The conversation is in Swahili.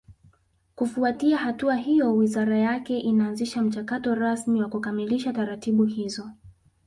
kufuatia hatua hiyo wizara yake inaanzisha mchakato rasmi wa kukamilisha taratibu hizo